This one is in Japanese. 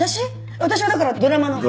私はだからドラマの配信。